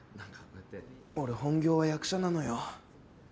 俺本業は役者なのよ。